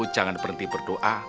jangan berhenti berdoa